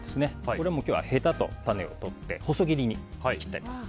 これも今日は、へたと種を取って細切りに切ってあります。